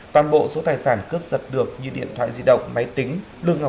toàn bộ số tài sản cướp giật được như điện thoại di động máy tính